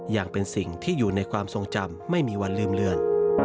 ยังเป็นสิ่งที่อยู่ในความทรงจำไม่มีวันลืมเลือน